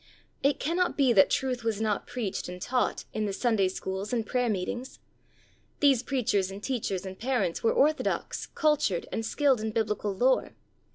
It cannot be that truth was not preached and taught in the Sunday schools and prayer meetings. These preachers and teachers and parents were orthodox, cultured, and skilled in Biblical lore.